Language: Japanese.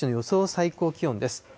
最高気温です。